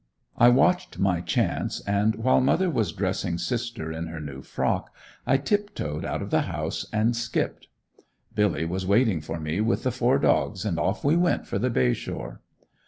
I watched my chance and while mother was dressing sister in her new frock I tiptoed out of the house and skipped. Billy was waiting for me with the four dogs and off we went for the Bay shore.